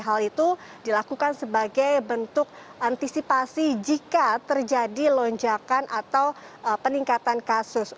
hal itu dilakukan sebagai bentuk antisipasi jika terjadi lonjakan atau peningkatan kasus